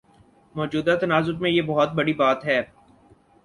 موجودہ تناظر میں یہ بہت بڑی بات ہے۔